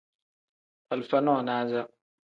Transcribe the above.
Alifa nonaza.